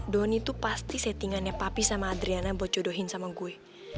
doni itu pasti settingannya papi sama adriana buat jodohin sama gue